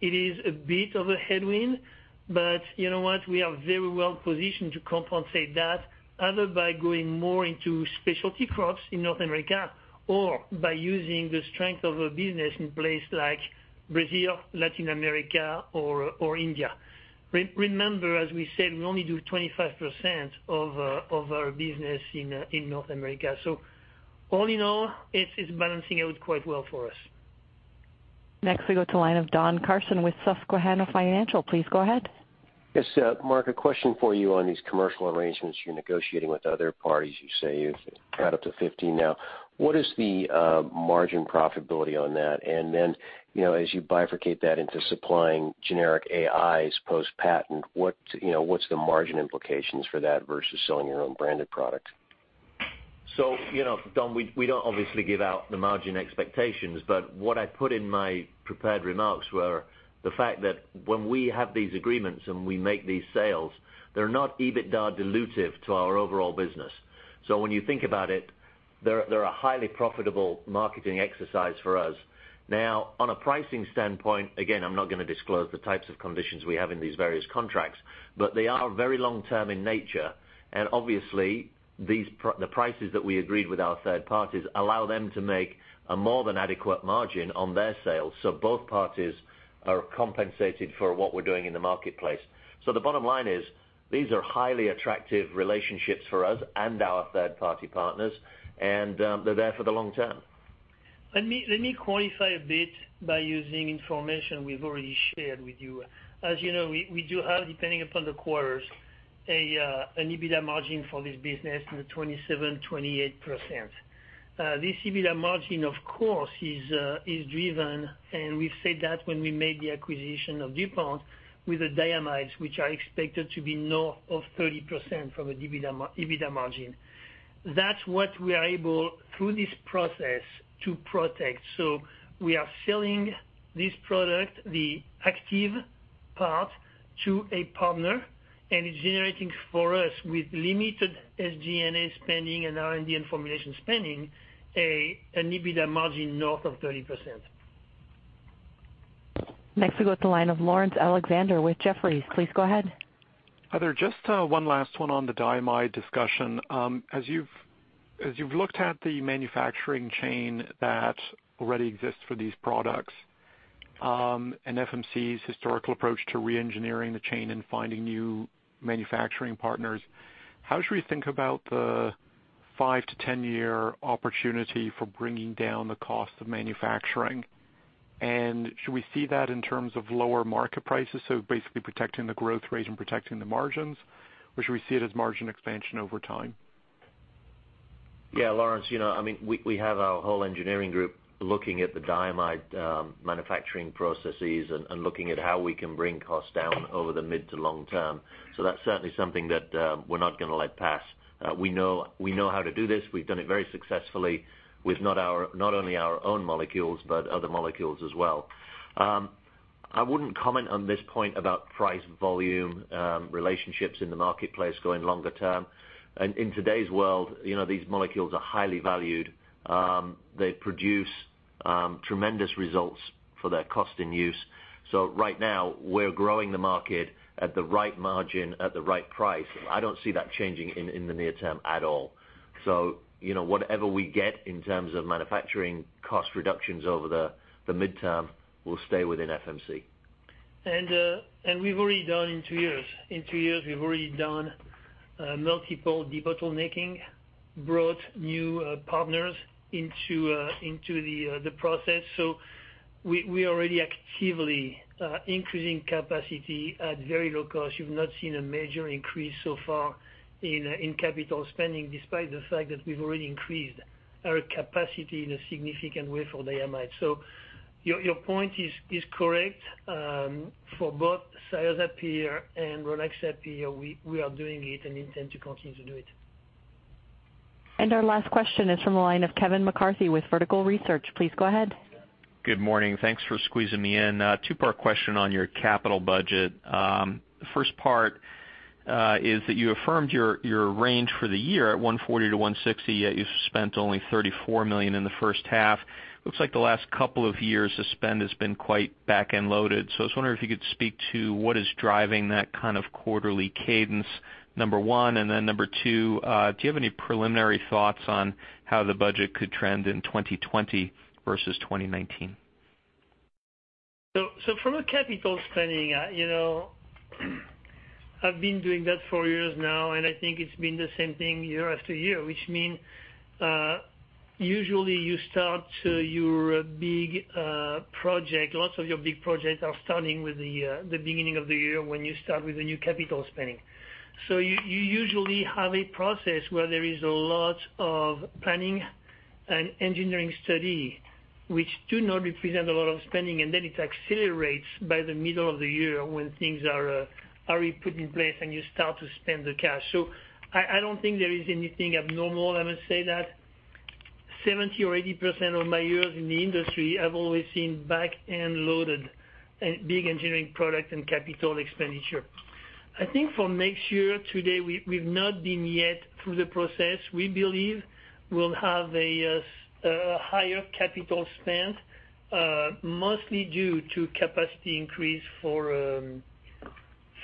Speaker 3: it is a bit of a headwind, you know what? We are very well positioned to compensate that, either by going more into specialty crops in North America or by using the strength of a business in places like Brazil, Latin America, or India. Remember, as we said, we only do 25% of our business in North America. All in all, it's balancing out quite well for us.
Speaker 1: Next, we go to line of Don Carson with Susquehanna Financial. Please go ahead.
Speaker 12: Yes. Mark, a question for you on these commercial arrangements you're negotiating with other parties. You say you've got up to 15 now. What is the margin profitability on that? Then, as you bifurcate that into supplying generic AIs post-patent, what's the margin implications for that versus selling your own branded product?
Speaker 5: Don, we don't obviously give out the margin expectations, but what I put in my prepared remarks were the fact that when we have these agreements and we make these sales, they're not EBITDA dilutive to our overall business. When you think about it, they're a highly profitable marketing exercise for us. Now, on a pricing standpoint, again, I'm not going to disclose the types of conditions we have in these various contracts, but they are very long-term in nature, and obviously, the prices that we agreed with our third parties allow them to make a more than adequate margin on their sales. Both parties are compensated for what we're doing in the marketplace. The bottom line is, these are highly attractive relationships for us and our third-party partners, and they're there for the long term.
Speaker 3: Let me qualify a bit by using information we've already shared with you. As you know, we do have, depending upon the quarters, an EBITDA margin for this business in the 27%-28%. This EBITDA margin, of course, is driven, and we've said that when we made the acquisition of DuPont with the diamides, which are expected to be north of 30% from an EBITDA margin. That's what we are able, through this process, to protect. We are selling this product, the active part, to a partner, and it's generating for us, with limited SG&A spending and R&D and formulation spending, an EBITDA margin north of 30%.
Speaker 1: Next we go to the line of Laurence Alexander with Jefferies. Please go ahead.
Speaker 13: Just one last one on the diamide discussion. As you've looked at the manufacturing chain that already exists for these products, and FMC's historical approach to re-engineering the chain and finding new manufacturing partners, how should we think about the 5- to 10-year opportunity for bringing down the cost of manufacturing? Should we see that in terms of lower market prices, so basically protecting the growth rate and protecting the margins, or should we see it as margin expansion over time?
Speaker 5: Yeah, Laurence, we have our whole engineering group looking at the diamide manufacturing processes and looking at how we can bring costs down over the mid to long term. That's certainly something that we're not going to let pass. We know how to do this. We've done it very successfully with not only our own molecules, but other molecules as well. I wouldn't comment on this point about price volume relationships in the marketplace going longer term. In today's world, these molecules are highly valued. They produce tremendous results for their cost and use. Right now, we're growing the market at the right margin, at the right price. I don't see that changing in the near term at all. Whatever we get in terms of manufacturing cost reductions over the midterm will stay within FMC.
Speaker 3: We've already done in two years. In two years, we've already done multiple debottlenecking, brought new partners into the process. We are already actively increasing capacity at very low cost. You've not seen a major increase so far in capital spending, despite the fact that we've already increased our capacity in a significant way for diamide. Your point is correct. For both Cyazypyr and Rynaxypyr, we are doing it and intend to continue to do it.
Speaker 1: Our last question is from the line of Kevin McCarthy with Vertical Research. Please go ahead.
Speaker 14: Good morning. Thanks for squeezing me in. Two-part question on your capital budget. First part is that you affirmed your range for the year at $140 million-$160 million, yet you've spent only $34 million in the first half. Looks like the last couple of years, the spend has been quite back-end loaded. I was wondering if you could speak to what is driving that kind of quarterly cadence, number 1. Number 2, do you have any preliminary thoughts on how the budget could trend in 2020 versus 2019?
Speaker 3: From a CapEx, I've been doing that for years now, and I think it's been the same thing year after year, which means, usually you start your big project, lots of your big projects are starting with the beginning of the year when you start with the new CapEx. You usually have a process where there is a lot of planning and engineering study, which do not represent a lot of spending, and then it accelerates by the middle of the year when things are already put in place, and you start to spend the cash. I don't think there is anything abnormal, I must say that. 70% or 80% of my years in the industry, I've always seen back-end loaded big engineering project and CapEx. I think for next year, today, we've not been yet through the process. We believe we'll have a higher capital spend, mostly due to capacity increase for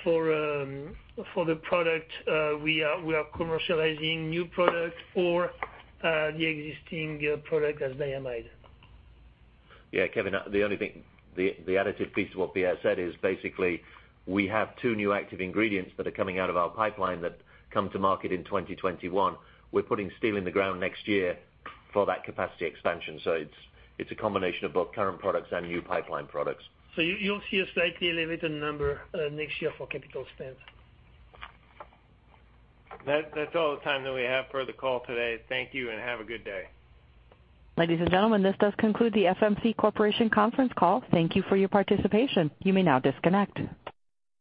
Speaker 3: the product we are commercializing, new product or the existing product as they are made.
Speaker 5: Yeah, Kevin, the only thing, the additive piece to what Pierre said is basically we have two new active ingredients that are coming out of our pipeline that come to market in 2021. We're putting steel in the ground next year for that capacity expansion. It's a combination of both current products and new pipeline products.
Speaker 3: You'll see a slightly elevated number next year for capital spend.
Speaker 2: That's all the time that we have for the call today. Thank you and have a good day.
Speaker 1: Ladies and gentlemen, this does conclude the FMC Corporation conference call. Thank you for your participation. You may now disconnect.